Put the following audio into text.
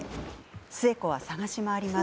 寿恵子は探し回ります。